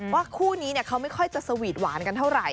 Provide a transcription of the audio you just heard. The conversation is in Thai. คู่นี้เขาไม่ค่อยจะสวีทหวานกันเท่าไหร